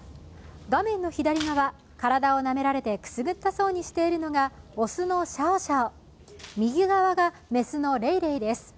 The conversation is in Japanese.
画面の左側、体をなめられてくすぐったそうにしているのが雄のシャオシャオ、右側が雌のレイレイです。